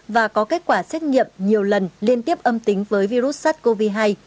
và có kết quả xét nghiệm nhiều lần liên tiếp âm tính với virus sars cov hai